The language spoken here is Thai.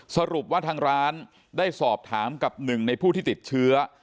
สรุปว่าทางร้านได้สอบถามกับหนึ่งในผู้ที่ติดเชื้อ